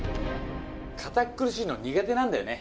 かたっくるしいの苦手なんだよね。